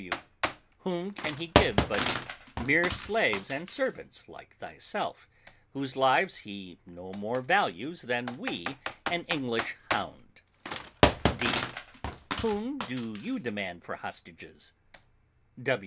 W. Whom can he give but mere slaves and servants like thyself, whose lives he no more values than we an English hound? D. Whom do you demand for hostages?